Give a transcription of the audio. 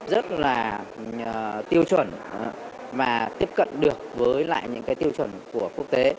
rất là tiêu chuẩn mà tiếp cận được với lại những tiêu chuẩn của quốc tế